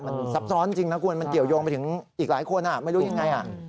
มันซับซ้อนจริงนะคุณมันเกี่ยวยงไปถึงอีกหลายคนไม่รู้ยังไง